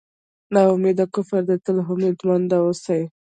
نا اميدي کفر دی تل هیله مند اوسئ.